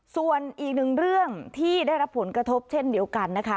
ส่วนอีกหนึ่งเรื่องที่ได้รับผลกระทบเช่นเดียวกันนะคะ